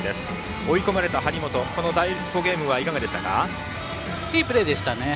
追い込まれた張本この第５ゲームはいいプレーでしたね。